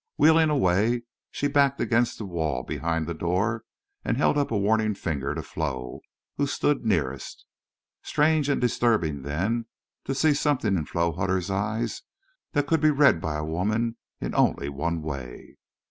Wheeling away, she backed against the wall behind the door and held up a warning finger to Flo, who stood nearest. Strange and disturbing then, to see something in Flo Hutter's eyes that could be read by a woman in only one way!